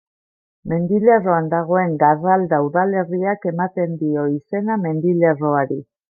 Mendilerroan dagoen Garralda udalerriak ematen dio izena mendilerroari.